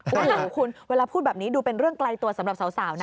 โอ้โหคุณเวลาพูดแบบนี้ดูเป็นเรื่องไกลตัวสำหรับสาวนะ